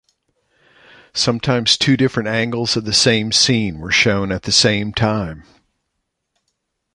Sometimes two different angles of the same scene where shown at the same time.